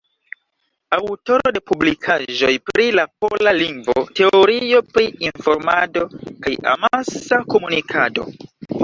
Aŭtoro de publikaĵoj pri la pola lingvo, teorio pri informado kaj amasa komunikado.